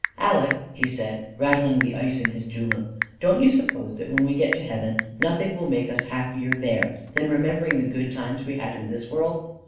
"Aleck," he said, rattling the ice in his julep, "don't you suppose that when we get to heaven, nothing will make us happier there than remembering the good times we had in this world?